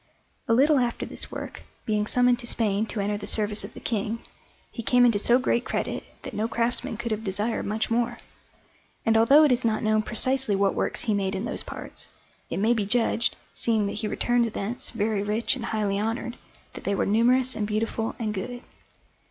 A little after this work, being summoned to Spain to enter the service of the King, he came into so great credit that no craftsman could have desired much more; and although it is not known precisely what works he made in those parts, it may be judged, seeing that he returned thence very rich and highly honoured, that they were numerous and beautiful and good.